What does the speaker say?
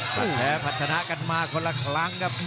แพ้ผลัดชนะกันมาคนละครั้งครับ